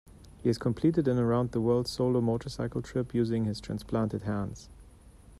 He has completed an around-the-world solo motorcycle trip using his transplanted hands.